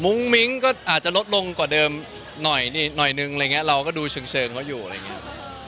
มิ้งก็อาจจะลดลงกว่าเดิมหน่อยนึงอะไรอย่างเงี้ยเราก็ดูเชิงเขาอยู่อะไรอย่างเงี้ย